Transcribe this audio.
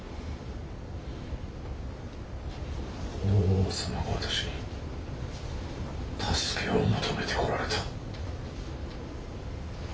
法皇様が私に助けを求めてこられた。